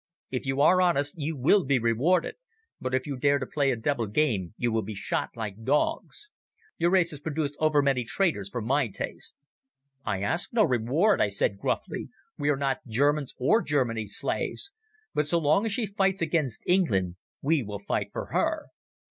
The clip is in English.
If you are honest you will be rewarded, but if you dare to play a double game you will be shot like dogs. Your race has produced over many traitors for my taste." "I ask no reward," I said gruffly. "We are not Germans or Germany's slaves. But so long as she fights against England we will fight for her."